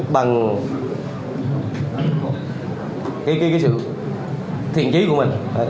bằng cái sự thiện trí của mình